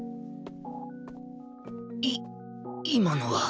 い今のは